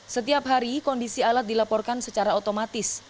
setiap hari kondisi alat dilaporkan secara otomatis